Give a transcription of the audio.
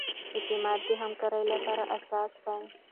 اعتماد د همکارۍ لپاره اساس دی.